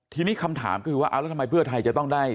ทำไมเพื่อไทยจะต้องได้